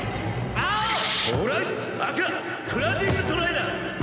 アカクラウディングトライだ！